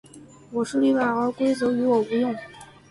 我是例外，而规则于我无用。